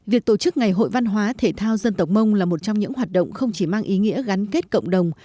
việc tổ chức ngày hội văn hóa thể thao dân tộc mông là một trong những hoạt động không chỉ mang ý nghĩa gắn kết cộng đồng